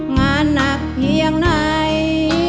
งานหนักเพียงไหน